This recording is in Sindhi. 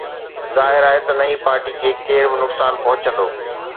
ظاهر آهي ته نئين پارٽيءَ کي ڪير به نقصان پهچندو